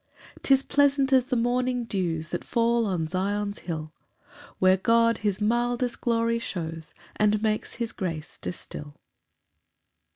4 'Tis pleasant as the morning dews That fall on Zion's hill, Where God his mildest glory shews, And makes his grace distil.